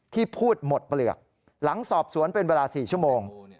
ที่พูดหมดเปลือกหลังสอบสวนเป็นเวลา๔ชั่วโมง